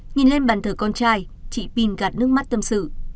nhìn lên bàn thờ con trai chị pin gạt nước mắt tâm sự